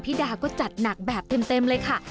ดาก็จัดหนักแบบเต็มเลยค่ะ